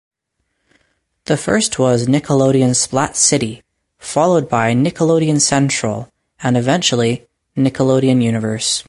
First was Nickelodeon Splat City, followed by Nickelodeon Central and eventually Nickelodeon Universe.